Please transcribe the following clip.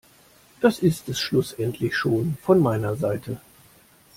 Das ist es schlussendlich schon von meiner Seite.